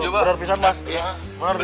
bener pisan abah